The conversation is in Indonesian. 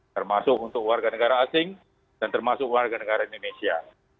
termasuk untuk warga negara asing dan termasuk warga negara indonesia